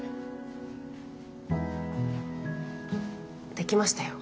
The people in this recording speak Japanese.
できましたよ。